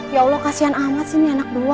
ya allah kasian amat sih ini anak dua